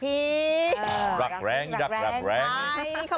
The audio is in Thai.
พี่หลักนองจังฮริก